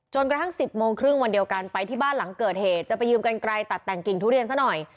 กระทั่ง๑๐โมงครึ่งวันเดียวกันไปที่บ้านหลังเกิดเหตุจะไปยืมกันไกลตัดแต่งกิ่งทุเรียนซะหน่อย